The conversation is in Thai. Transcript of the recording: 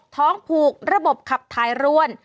ท้องผูกระบบขับถ่ายร่วน